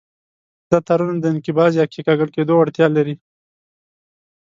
دا تارونه د انقباض یا کیکاږل کېدو وړتیا لري.